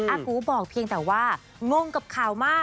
อากูบอกเพียงแต่ว่างงกับข่าวมาก